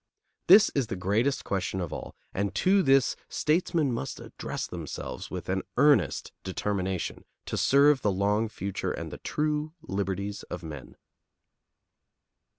This is the greatest question of all, and to this statesmen must address themselves with an earnest determination to serve the long future and the true liberties of men.